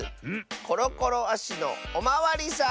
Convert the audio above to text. コロコロあしのおまわりさん」。